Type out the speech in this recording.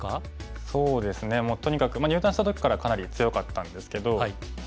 そうですねもうとにかく入段した時からかなり強かったんですけど。